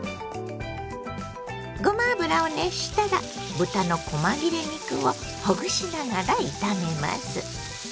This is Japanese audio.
ごま油を熱したら豚のこま切れ肉をほぐしながら炒めます。